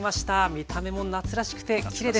見た目も夏らしくてきれいです。